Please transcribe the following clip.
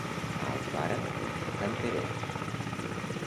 A Alfara, canterers.